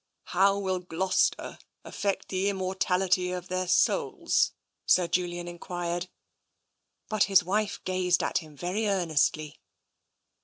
" How will Gloucester affect the immortality of their souls ?" Sir Julian enquired. But his wife gazed at him very earnestly.